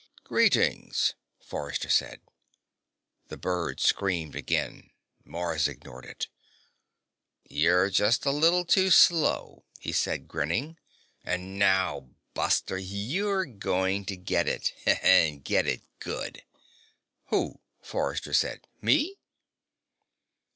"Greetings," Forrester said. The bird screamed again. Mars ignored it. "You're just a little too slow," he said, grinning. "And now, buster, you're going to get it and get it good." "Who?" Forrester said. "Me?"